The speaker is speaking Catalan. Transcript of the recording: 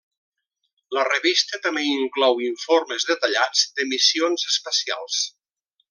La revista també inclou informes detallats de missions espacials.